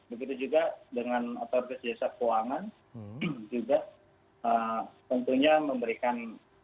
begitu juga dengan otoritas jasa keuangan juga tentunya memberikan